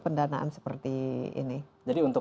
pendanaan seperti ini jadi untuk